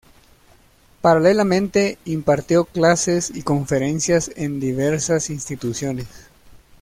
Paralelamente, impartió clases y conferencias en diversas instituciones.